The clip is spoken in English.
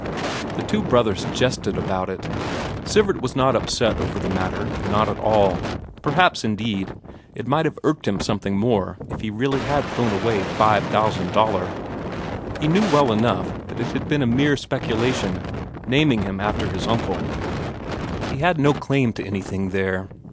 The two brothers jested about it. Sivert was not upset over the matter, not at all; perhaps, indeed, it might have irked him something more if he really had thrown away five thousand Daler. He knew well enough that it had been a mere speculation, naming him after his uncle; he had no claim to anything there.